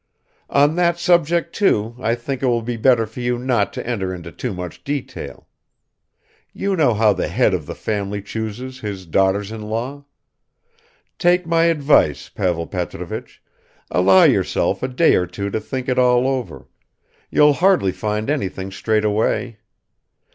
"On that subject, too, I think it will be better for you not to enter into too much detail. You know how the head of the family chooses his daughters in law? Take my advice, Pavel Petrovich, allow yourself a day or two to think it all over; you'll hardly find anything straight away.